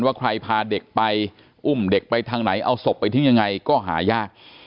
ว่าใครพาเด็กไปอุ้มเด็กไปทางไหนเอาศพไปทิ้งยังไงก็หายาก